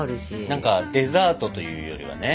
何かデザートというよりはね。